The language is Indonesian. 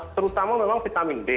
terutama memang vitamin d